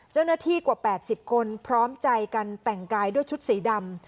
เจ้าหน้าที่กว่า๘๐คนพร้อมใจกันแต่งกายด้วยชุดสีดำ